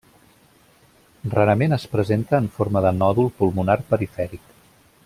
Rarament es presenta en forma de nòdul pulmonar perifèric.